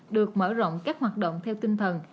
được mở rộng các hoạt động theo tinh thần